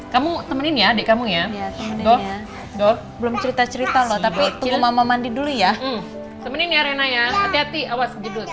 kamu temenin ya adik kamu ya belum cerita cerita loh tapi mama mandi dulu ya